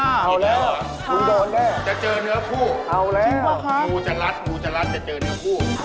เอาแล้วจะเจอเนื้อคู่งูจะรัดจะเจอเนื้อคู่